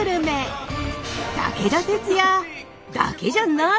武田鉄矢だけじゃない！